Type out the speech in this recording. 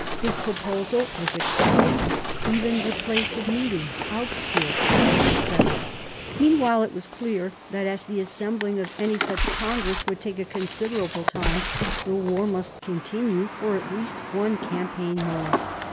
His proposal was ac cepted ; even the place of meeting, Augsburg, was settled. i (<> 174 MARIA THERESA chap, viii Meanwhile it was clear that, as the assembling of any such congress would take a considerable time, the war must continue for at least one campaign more.